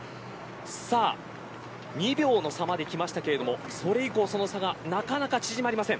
さあ２秒の差まできましたがそれ以降その差がなかなか縮まりません。